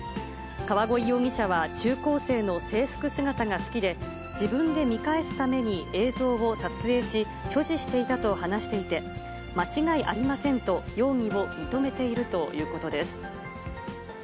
川鯉容疑者は中高生の制服姿が好きで、自分で見返すために映像を撮影し、所持していたと話していて、間違いありませんと容疑を認めているということです。